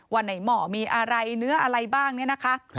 ว่าในหมอมีอะไรเนื้ออะไรบ้างเนี่ยนะคะ